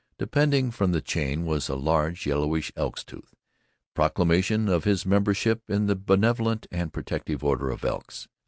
Depending from the chain was a large, yellowish elk's tooth proclamation of his membership in the Brotherly and Protective Order of Elks.